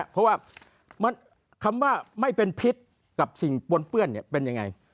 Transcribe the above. เพราะว่าคำว่าไม่เป็นพิษกับสิ่งปนเปื้อนเป็นยังไง